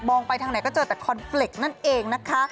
บอล์งไปทางไหนก็เจอแต่คอนฟเล็กนั่นเองนะคะ